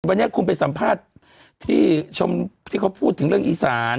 วันนี้คุณไปสัมภาษณ์ที่ชมที่เขาพูดถึงเรื่องอีสาน